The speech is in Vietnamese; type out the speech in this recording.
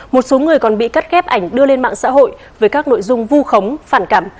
một số người còn bị cắt ghép ảnh đưa lên mạng xã hội với các nội dung vu khống phản cảm